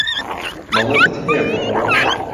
مۆڵەتت هەیە بۆ ئەوە؟